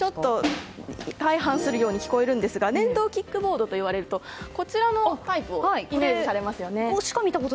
相反するように聞こえますが電動キックボードというとこちらのタイプをイメージされますよね。